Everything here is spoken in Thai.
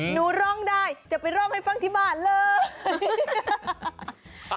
หนูร้องได้จะไปร้องให้ฟังที่บ้านเลย